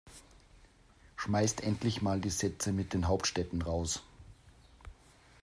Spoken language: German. Schmeißt endlich mal die Sätze mit den Hauptstädten raus!